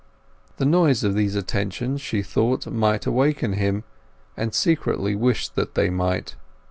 The noise of these attentions she thought might awaken him, and secretly wished that they might.